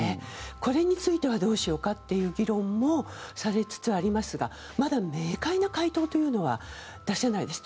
これについてはどうしようかという議論もされつつありますがまだ明解な回答というのは出せないです。